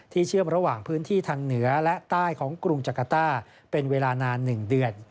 เชื่อมระหว่างพื้นที่ทางเหนือและใต้ของกรุงจักรต้าเป็นเวลานาน๑เดือน